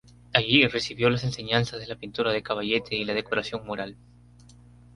Allí, recibió las enseñanzas de la pintura de caballete y la decoración mural.